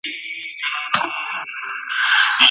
څېړونکی د متن محتوا ولي پرتله کوي؟